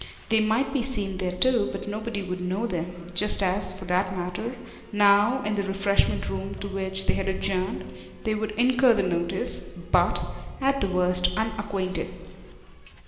They might be seen there too, but nobody would know them; just as, for that matter, now, in the refreshment room to which they had adjourned, they would incur the notice but, at the worst, of the unacquainted.